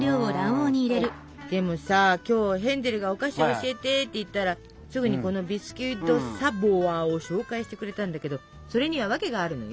でもさ今日ヘンゼルがお菓子教えてって言ったらすぐにこのビスキュイ・ド・サヴォワを紹介してくれたんだけどそれにはワケがあるのよ。